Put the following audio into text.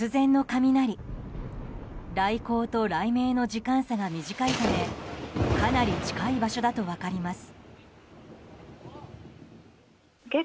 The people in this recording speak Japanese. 雷光と雷鳴の時間差が短いためかなり近い場所だと分かります。